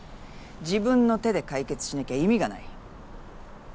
自分の手で解決しなきゃ意味がない。